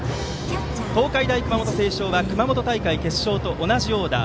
東海大熊本星翔は熊本大会決勝と同じオーダー。